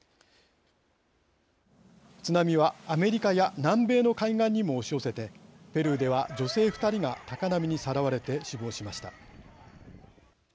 津波はアメリカや南米の海岸にも押し寄せてペルーでは女性２人が高波にさらわれて死亡しました。